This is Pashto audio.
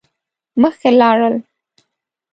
مخکی لاړل.